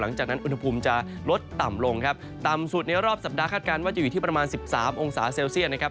หลังจากนั้นอุณหภูมิจะลดต่ำลงครับต่ำสุดในรอบสัปดาห์คาดการณ์ว่าจะอยู่ที่ประมาณ๑๓องศาเซลเซียตนะครับ